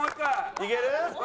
いける？